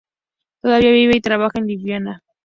Todavía vive y trabaja en Liubliana.